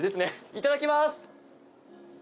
いただきます！